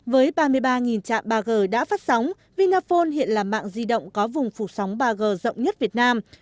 với ba mươi ba trạm ba g đã phát sóng vinaphone hiện là mạng di động có vùng phủ sóng ba g rộng nhất việt nam